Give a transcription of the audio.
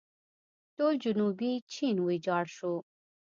ټول جنوبي چین ویجاړ شو.